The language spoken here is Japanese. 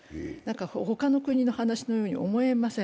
他の国の話のように思えません。